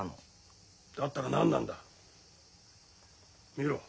見ろ。